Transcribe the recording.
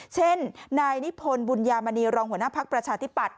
เช่นนายนิพนธ์บุญญามณีรองหัวหน้าภักดิ์ประชาธิปัตย